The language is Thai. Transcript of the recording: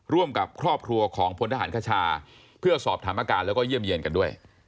ร่วมกับครอบครัวของพลทหารคชาเพื่อสอบถามอาการแล้วก็เยี่ยมเยี่ยนกันด้วย